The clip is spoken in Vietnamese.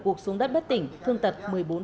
cuộc xuống đất bất tỉnh thương tật một mươi bốn